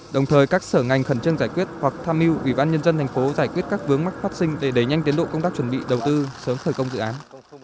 đồng thời các sở ngành khẩn trương giải quyết hoặc tham mưu ủy ban nhân dân thành phố giải quyết các vướng mắc phát sinh để đẩy nhanh tiến độ công tác chuẩn bị đầu tư sớm khởi công dự án